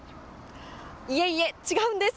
いえいえ、違うんです。